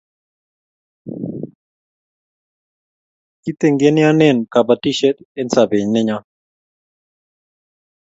kitengeneane kabatishiet eng sabet nenyon